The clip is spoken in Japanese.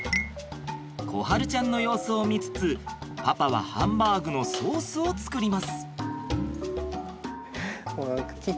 心晴ちゃんの様子を見つつパパはハンバーグのソースを作ります。